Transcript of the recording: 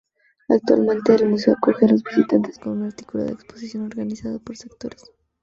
Actualmente el Museo acoge a los visitantes con una articulada exposición organizada por sectores.